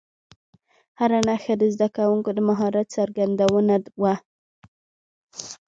هره نښه د زده کوونکو د مهارت څرګندونه وه.